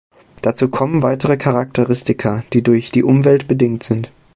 Dazu kommen weitere Charakteristika, die durch die Umwelt bedingt sind.